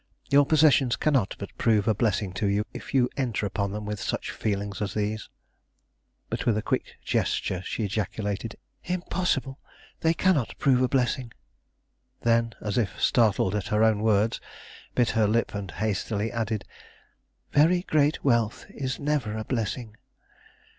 Your possessions cannot but prove a blessing to you if you enter upon them with such feelings as these." But, with a quick gesture, she ejaculated: "Impossible! they cannot prove a blessing." Then, as if startled at her own words, bit her lip and hastily added: "Very great wealth is never a blessing.